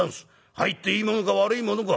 入っていいものか悪いものか